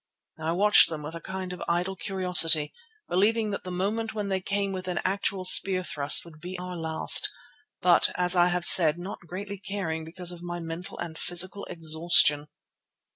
I watched them with a kind of idle curiosity, believing that the moment when they came within actual spear thrust would be our last, but, as I have said, not greatly caring because of my mental and physical exhaustion.